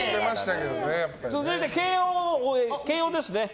続いて、慶應ですね。